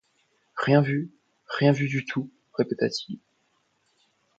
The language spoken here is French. Rien vu, rien vu du tout ! répéta-t-il